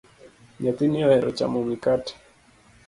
Nyathini ohero chamo mikate